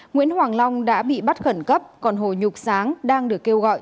nguyễn hoàng long đã bị bắt khẩn cấp còn hồ nhục sáng đang được kêu gọi